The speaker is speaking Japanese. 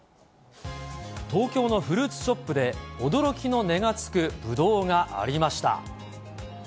東京のフルーツショップで、驚きの値がつくぶどうがありました。